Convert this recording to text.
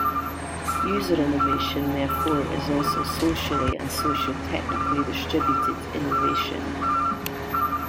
User innovation, therefore, is also socially and socio-technically distributed innovation.